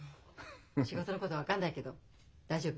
仕事のこと分かんないけど大丈夫？